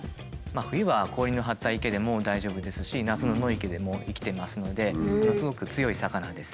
冬は氷の張った池でも大丈夫ですし夏の野池でも生きていますのでものすごく強い魚です。